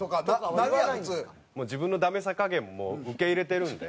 もう自分のダメさ加減も受け入れてるんで。